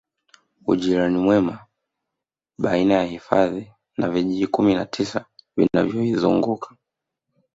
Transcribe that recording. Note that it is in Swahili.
Ujirani mwema baina ya hifadhi na vijiji Kumi na tisa vinavyoizunguka